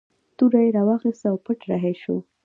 توره یې راواخیستله او پټ رهي شو.